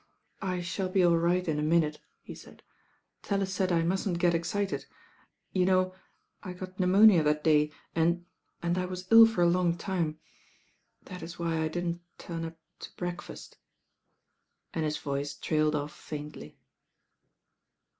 "I thall be aU right in a minute," he taid. "TaUit taid I mustn't get excited. You know, I got pneu monia that day and — and I wat ill for a long time. That it why I didn't turn up to breakfatt," and hit Toice trailed o£f faintly.